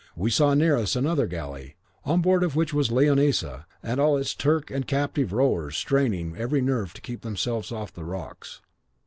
We saw near us the other galley, on board of which was Leonisa, and all its Turk and captive rowers straining every nerve to keep themselves off the rocks.